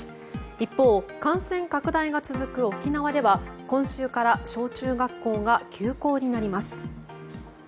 一方、感染拡大が続く沖縄では今週から小中学校が休校になります。